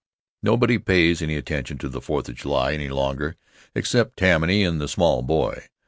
Nobody pays any attention to the Fourth of July any longer except Tammany and the small boy.